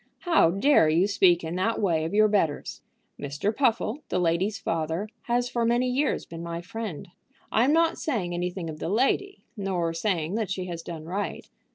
"How dare you speak in that way of your betters? Mr. Puffle, the lady's father, has for many years been my friend. I am not saying anything of the lady, nor saying that she has done right.